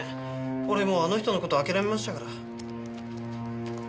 俺もうあの人の事諦めましたから。